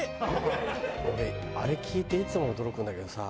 俺あれ聞いていつも驚くんだけどさ